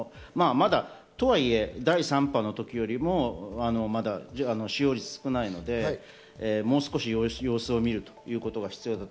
とはいえ、第３波の時よりも使用率は少ないので、もう少し様子を見るということが必要だと。